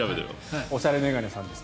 おしゃれ眼鏡さんです